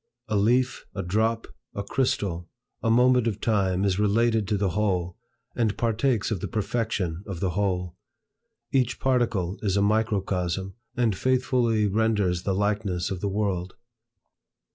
A leaf, a drop, a crystal, a moment of time is related to the whole, and partakes of the perfection of the whole. Each particle is a microcosm, and faithfully renders the likeness of the world.